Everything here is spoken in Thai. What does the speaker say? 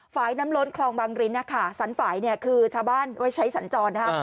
ฝ่ายน้ำล้นคลองบางริ้นนะคะสันฝ่ายเนี่ยคือชาวบ้านไว้ใช้สัญจรนะคะ